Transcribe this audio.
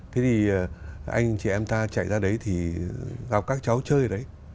thế thì anh chị em ta chạy ra đấy thì gặp các cháu chơi đấy